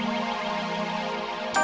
saya akan berusaha untuk mencoba